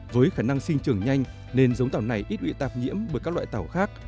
với khả năng sinh trưởng nhanh nên giống tàu này ít bị tạp nhiễm bởi các loại tàu khác